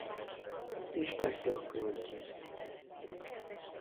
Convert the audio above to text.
És persze a költő.